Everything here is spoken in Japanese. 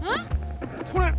これ！